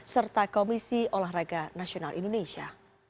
serta komisi olahraga nasional indonesia